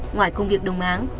ngoài công việc đồng áng